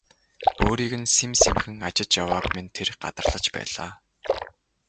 Өөрийг нь сэм сэмхэн ажиж явааг минь тэр гадарлаж байлаа.